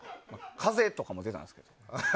風とかも出たんですよ。